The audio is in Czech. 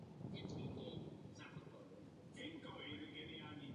Je to první žena v čele této rady.